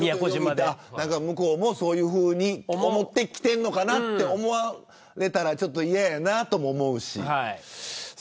向こうもそういうふうに思って来ているのかなと思われたら嫌だなとも思うし。